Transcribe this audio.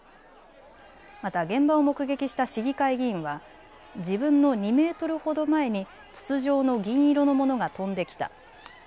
また現場を目撃した市議会議員は自分の２メートルほど前に筒状の銀色のものが飛んできた。